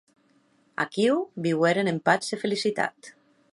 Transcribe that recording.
Aquiu viueren en patz e felicitat.